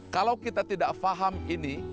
kalau kita tidak paham ini